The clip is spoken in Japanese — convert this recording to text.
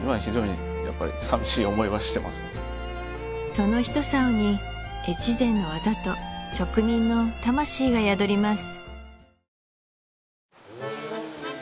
その一棹に越前の技と職人の魂が宿ります